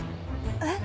えっ？